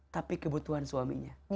tapi kebutuhan suaminya